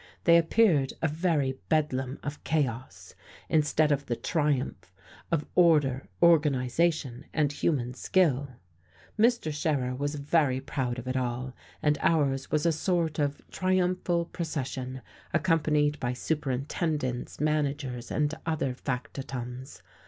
They appeared a very bedlam of chaos, instead of the triumph of order, organization and human skill. Mr. Scherer was very proud of it all, and ours was a sort of triumphal procession, accompanied by superintendents, managers and other factotums.